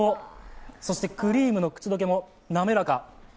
そしてクリームの口溶けも滑らか。